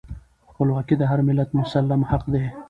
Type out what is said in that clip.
خپلواکي د هر ملت مسلم حق دی.